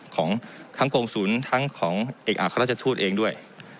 ของทั้งกรงศูนย์ทั้งของเอกอัครราชทูตเองด้วย